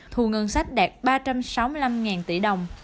thu ngân sách đạt ba trăm sáu mươi năm tỷ đồng